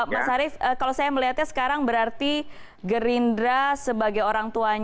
mas arief kalau saya melihatnya sekarang berarti gerindra sebagai orang tuanya